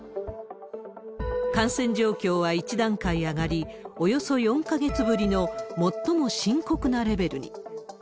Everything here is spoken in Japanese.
感染状況は１段階上がり、およそ４か月ぶりの最も深刻なレベルに。